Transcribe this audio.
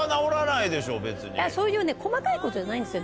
そういうね細かいことじゃないんですよ